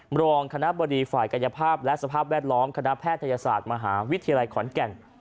รองคณะบดีฝ่ายกายภาพและสภาพแวดล้อมคณะแพทยศาสตร์มหาวิทยาลัยขอนแก่น